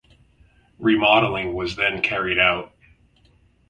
Remodelling was then carried out.